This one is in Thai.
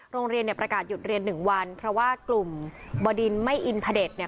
โรงเรียนเนี่ยประกาศหยุดเรียนหนึ่งวันเพราะว่ากลุ่มบดินไม่อินพระเด็จเนี่ย